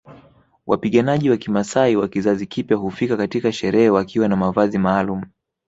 Wapiganaji wa kimaasai wa kizazi kipya hufika katika sherehe wakiwa na mavazi maalumu